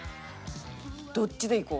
どっちでいこう。